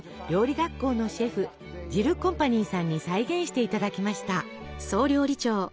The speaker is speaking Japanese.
学校のシェフジルコンパニーさんに再現していただきました。